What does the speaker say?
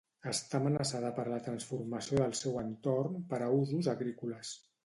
Està amenaçada per la transformació del seu entorn per a usos agrícoles.